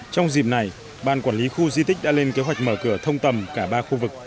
trong dịp này ban quản lý khu di tích đã lên kế hoạch mở cửa thông tầm cả ba khu vực